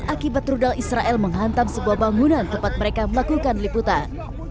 akibat rudal israel menghantam sebuah bangunan tempat mereka melakukan liputan